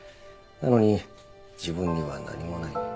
なのに自分には何もない。